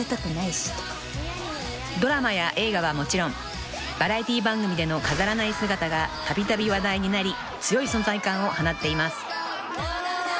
［ドラマや映画はもちろんバラエティー番組での飾らない姿がたびたび話題になり強い存在感を放っています］